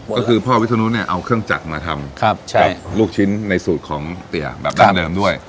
ก็คือพ่อวิทนุเนี่ยเอาเครื่องจักรมาทำกับลูกชิ้นในสูตรของเตี๋ยแบบดั้งเดิมด้วย